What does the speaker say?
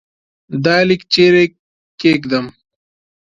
دا لیک چيري کښېږدم ؟